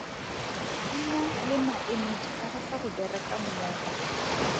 Maina le maemedi a rata go bereka mmogo.